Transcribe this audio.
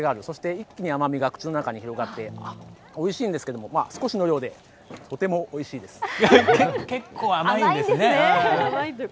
そして、一気に甘みが口の中に広がっておいしいんですけども少しの量でとても、おいしいです。